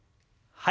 はい。